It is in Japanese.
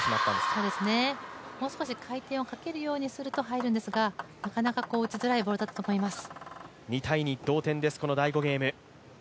もう少し回転をかけるようにすると入るんですが、なかなか打ちづらいボールだったと思います。